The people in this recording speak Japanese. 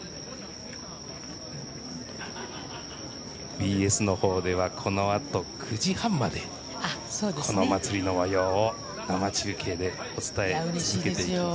ＢＳの方ではこのあと９時半までこの祭りのもようを生中継でお伝えしていきます。